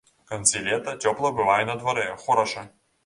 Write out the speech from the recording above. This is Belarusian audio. У канцы лета цёпла бывае на дварэ, хораша.